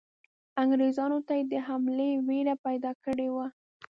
انګریزانو ته یې د حملې وېره پیدا کړې وه.